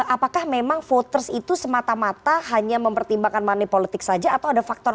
apakah memang voters itu semata mata hanya mempertimbangkan money politics saja atau ada faktor lain sebetulnya ketika ini